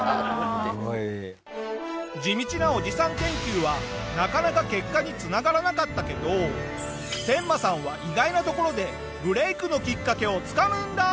地道なおじさん研究はなかなか結果に繋がらなかったけどテンマさんは意外なところでブレイクのきっかけをつかむんだ！